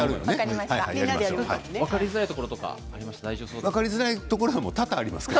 分かりづらいところありましたか。